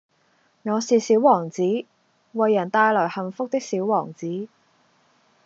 我是小王子，為人帶來幸福的小王子